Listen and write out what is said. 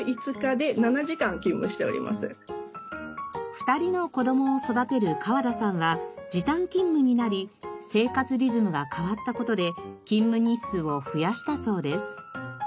２人の子どもを育てる川田さんは時短勤務になり生活リズムが変わった事で勤務日数を増やしたそうです。